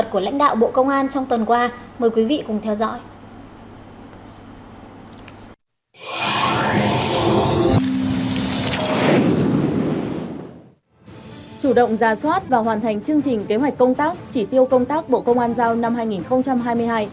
chủ động ra soát và hoàn thành chương trình kế hoạch công tác chỉ tiêu công tác bộ công an giao năm hai nghìn hai mươi hai